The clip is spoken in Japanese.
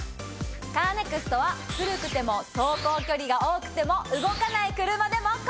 カーネクストは古くても走行距離が多くても動かない車でも。